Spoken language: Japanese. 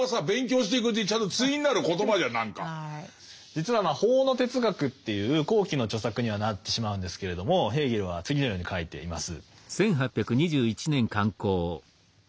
実は「法の哲学」っていう後期の著作にはなってしまうんですけれどもヘーゲルは次のように書いています。